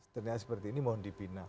ternyata seperti ini mohon dibina